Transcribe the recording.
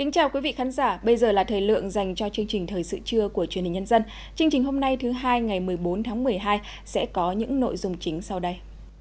chương trình hôm nay thứ hai ngày một mươi bốn tháng một mươi hai sẽ có những nội dung chính sau đây